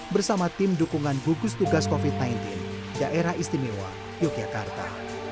bersama tim dukungan gugus tugas covid sembilan belas daerah istimewa yogyakarta